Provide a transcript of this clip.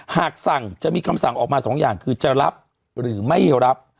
หากสั่งจะมีคำสั่งออกมา๒อย่างคือจะรับหรือไม่รับ